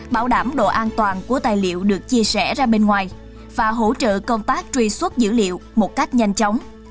bảo đảm độ an toàn của tài liệu được chia sẻ ra bên ngoài và hỗ trợ công tác truy xuất dữ liệu một cách nhanh chóng